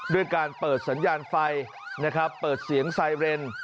ด้วยการเปิดสัญญาณไฟนะครับเปิดเสียงไซเรน